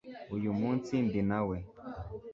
uyu munsi ndi nawe